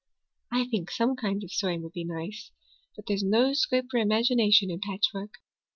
"I think some kinds of sewing would be nice; but there's no scope for imagination in patchwork.